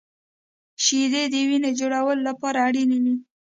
• شیدې د وینې جوړولو لپاره اړینې وي.